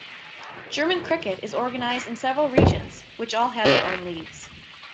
German Cricket is organized in several regions, which all have their own leagues.